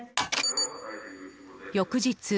翌日。